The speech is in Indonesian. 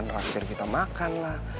ntar akhir kita makan lah